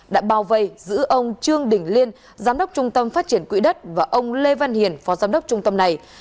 đã bao vây giữ ông trương đình liên giám đốc trung tâm phát triển quỹ đất và ông lê văn hiền phó giám đốc trung tâm này